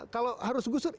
kalau harus gusur